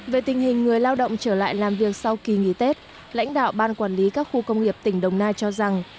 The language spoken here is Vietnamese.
về tình hình người lao động trở lại làm việc sau kỳ nghỉ tết lãnh đạo ban quản lý các khu công nghiệp tỉnh đồng nai cho rằng